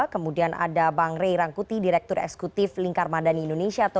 kemudian ada bang ray rangkuti direktur eksekutif lingkar madani indonesia